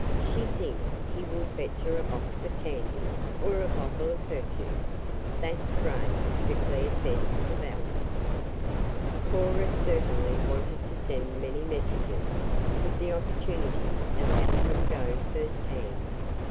"She thinks he will fetch her a box of candy, or a bottle of perfume. That's Ray," declared Bess to Belle. Cora certainly wanted to send many messages, with the opportunity of having them go first hand.